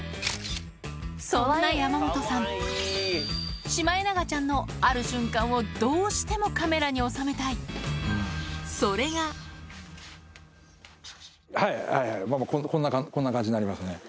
そんな山本さん、シマエナガちゃんのある瞬間をどうしてもカメラに収めたい、はい、はいはい、こんな感じになりますね。